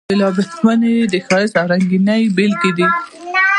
بېلابېلې ونې یې د ښایست او رنګینۍ بېلګې دي.